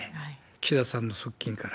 岸田さんの側近から。